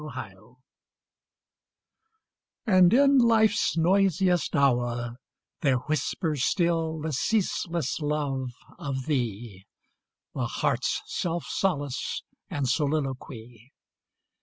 25 And in Life's noisiest hour There whispers still the ceaseless love of thee, The heart's self solace } and soliloquy.